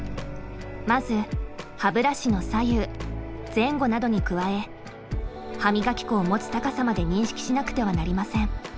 まず歯ブラシの左右前後などに加え歯磨き粉を持つ高さまで認識しなくてはなりません。